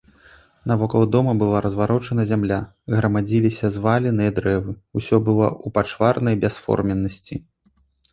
Навокал дома была разварочана зямля, грамадзіліся зваленыя дрэвы, усё было ў пачварнай бясформеннасці.